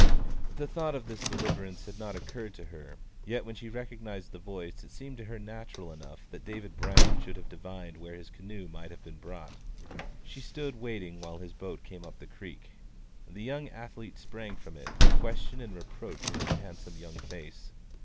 The thought of this deliverance had not occurred to her; yet when she recognised the voice it seemed to her natural enough that David Brown should have divined where his canoe might have been brought. She stood waiting while his boat came up the creek. The young athlete sprang from it, question and reproach in his handsome young face.